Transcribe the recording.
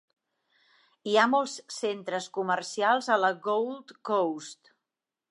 Hi ha molts centres comercials a la Gold Coast.